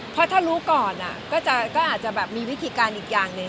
เพราะถ้ารู้ก่อนก็อาจจะแบบมีวิธีการอีกอย่างหนึ่ง